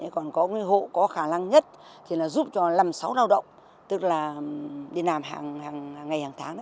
còn có hộ có khả năng nhất thì là giúp cho năm sáu lao động tức là đi làm hàng ngày hàng tháng